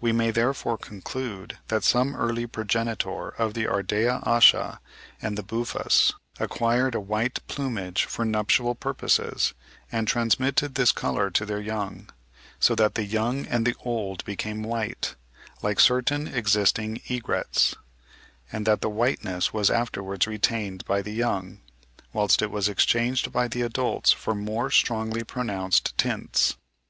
We may therefore conclude that some early progenitor of the Ardea asha and the Buphus acquired a white plumage for nuptial purposes, and transmitted this colour to their young; so that the young and the old became white like certain existing egrets; and that the whiteness was afterwards retained by the young, whilst it was exchanged by the adults for more strongly pronounced tints.